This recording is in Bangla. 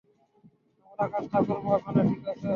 আমরা কাজটা করবো এখানে, ঠিক আছে?